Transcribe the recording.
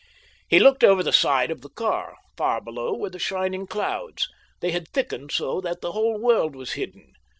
He looked over the side of the car. Far below were the shining clouds. They had thickened so that the whole world was hidden.